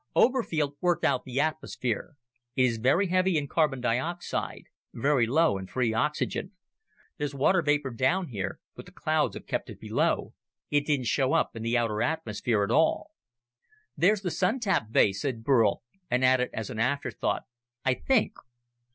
"Oberfield worked out the atmosphere. It is very heavy in carbon dioxide, very low in free oxygen. There's water vapor down here, but the clouds have kept it below; it didn't show up in the outer atmosphere at all." "There's the Sun tap base," said Burl, and added as an afterthought, "I think."